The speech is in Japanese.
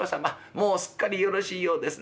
もうすっかりよろしいようですな。